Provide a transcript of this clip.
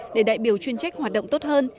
để đại biểu chuyên trách hoạt động tốt hơn